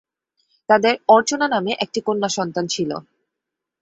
তাদের অর্চনা নামে একটি কন্যা সন্তান ছিল।